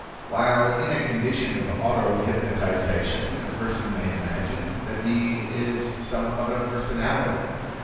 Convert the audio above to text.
While in a condition of auto hypnotization a person may imagine that he is some other personality.